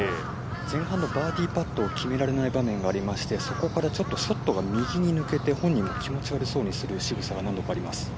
前半のバーディーパットを決められない場面がありましてそこからちょっとショットが右に抜けて本人も気持ち悪そうにするしぐさがあります。